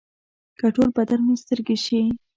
که ټول بدن مې سترګې شي.